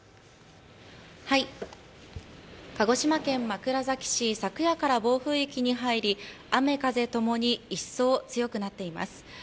鹿児島県枕崎市、昨夜から暴風域に入り雨風共に一層強くなっています。